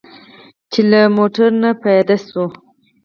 چې له موټر نه پیاده شوي وو.